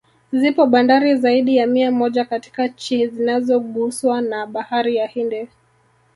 Zipo bandari zaidi ya mia moja katika chi zinazoguswa na Bahari ya Hindi